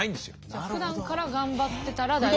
じゃあふだんから頑張ってたら大丈夫。